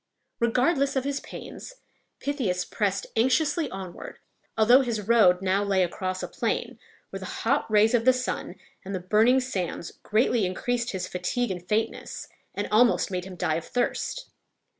Regardless of his pains, Pythias pressed anxiously onward, although his road now lay across a plain, where the hot rays of the sun and the burning sands greatly increased his fatigue and faintness, and almost made him die of thirst.